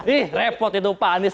ih repot itu pak anies